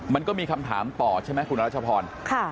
มันก็มีคำถามต่อใช่ไหมคุณรัชพร